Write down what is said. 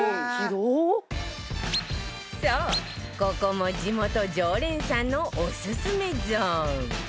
そうここも地元常連さんのオススメゾーン